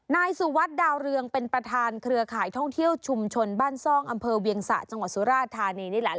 นายสุวัสดิดาวเรืองเป็นประธานเครือข่ายท่องเที่ยวชุมชนบ้านซ่องอำเภอเวียงสะจังหวัดสุราธานีนี่แหละ